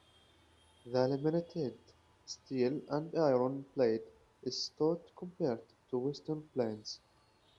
The laminated steel and iron blade is stout compared to western planes.